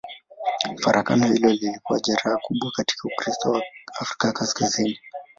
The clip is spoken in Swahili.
Farakano hilo lilikuwa jeraha kubwa katika Ukristo wa Afrika Kaskazini.